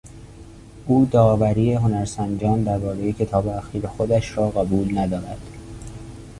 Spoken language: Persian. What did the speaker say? او داوری هنرسنجان دربارهی کتاب اخیر خودش را قبول ندارد.